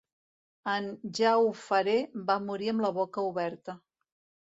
En Ja Ho Faré va morir amb la boca oberta.